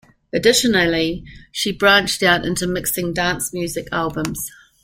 Additionally, she branched out into mixing dance music albums.